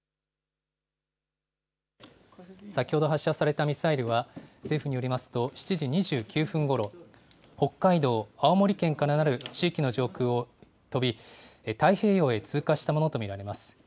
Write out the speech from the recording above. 先ほど発射されたミサイルは、政府によりますと、７時２９分ごろ、北海道、青森県からなる地域の上空を飛び、太平洋へ通過したものと見られます。